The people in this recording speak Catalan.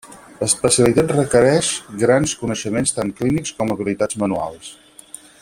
L'especialitat requereix grans coneixements tant clínics com habilitats manuals.